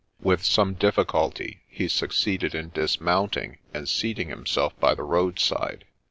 With some difficulty he succeeded in dismounting, and seating himself by the road side.